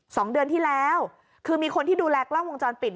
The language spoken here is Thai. สองเดือนที่แล้วคือมีคนที่ดูแลกล้องวงจรปิด